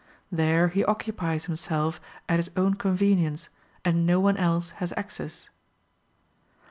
There he occupies himself at his own convenience, and no one else has access.